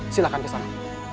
silahkan ke sana